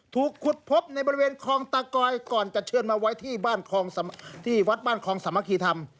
ถูกขุดพบในบริเวณคลองตากอยก่อนจะเชิญมาไว้ที่บ้านที่วัดบ้านคลองสามัคคีธรรม